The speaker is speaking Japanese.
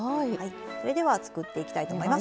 それでは作っていきたいと思います。